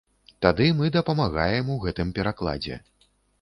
Тады мы дапамагаем у гэтым перакладзе.